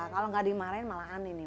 kalau nggak dimarahin malahan ini